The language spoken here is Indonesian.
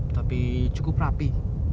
tapi cukup rapi